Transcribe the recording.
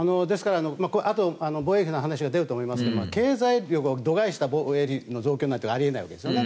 あとで防衛費の話が出ると思いますが経済力を度外視した防衛力の増強なんてあり得ないわけですね。